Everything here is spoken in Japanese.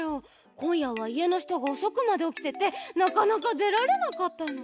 こんやはいえのひとがおそくまでおきててなかなかでられなかったの。